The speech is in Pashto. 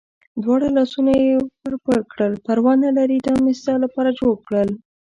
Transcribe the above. دواړه لاسونه یې و پړکول، پروا نه لرې دا مې ستا لپاره جوړ کړل.